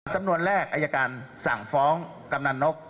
สำนวนแรกอายการสั่งฟ้องกำนันนก